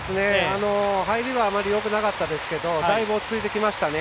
入りはあまりよくなかったですけどだいぶ、落ち着いてきました。